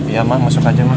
iya mak masuk aja mak